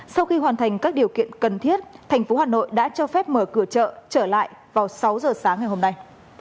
sau khi hoàn thành các điều kiện cần thiết thành phố hà nội đã cho phép mở cửa chợ trở lại vào sáu giờ sáng ngày hôm nay